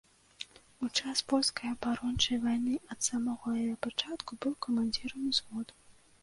У час польскай абарончай вайны ад самага яе пачатку, быў камандзірам узводу.